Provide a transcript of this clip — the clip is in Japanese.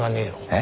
え？